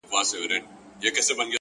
پرون مي غوښي د زړگي خوراك وې!!